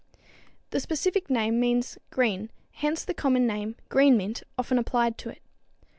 The specific name means green, hence the common name, green mint, often applied to it.